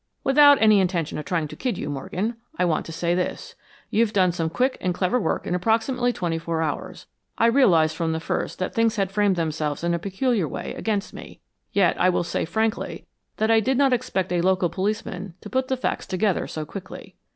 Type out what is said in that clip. "Without any intention of trying to kid you, Morgan, I want to say this you've done some quick and clever work in approximately twenty four hours. I realized from the first that things had framed themselves in a peculiar way against me. Yet, I will say frankly, that I did not expect a local policeman to put the facts together so quickly."